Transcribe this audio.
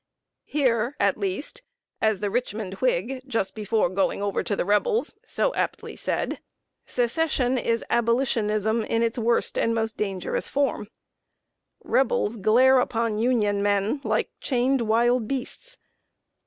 Here, at least, as The Richmond Whig, just before going over to the Rebels, so aptly said: "Secession is Abolitionism in its worst and most dangerous form." Rebels glare upon Union men like chained wild beasts.